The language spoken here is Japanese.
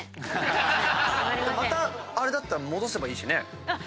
またあれだったら戻せばいいしね。